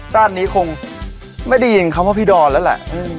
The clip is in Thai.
ราชเนี้ยคงไม่ดีอิงคำว่าพี่ดอนละแหละ